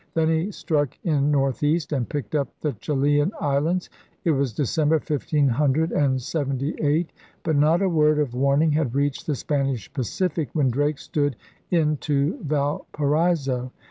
Then he struck in northeast and picked up the Chilean Islands. It was December, 1578; but not a word of warn ing had reached the Spanish Pacific when Drake stood in to Valparaiso.